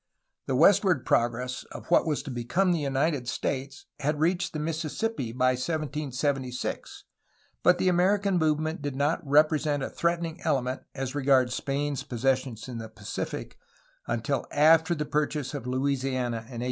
The westward progress of what was to become the United States had reached the Mississippi by 1776, but the American movement did not represent a threatening element as re gards Spain's possessions in the Pacific until after the pur chase of Louisiana in 1803.